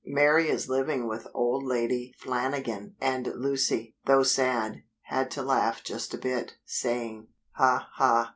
"Mary is living with Old Lady Flanagan" and Lucy, though sad, had to laugh just a bit, saying: "Ha, ha!